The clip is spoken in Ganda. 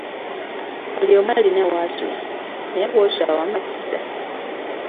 Buli omu alina w'asula, naye w'osula wamatiza?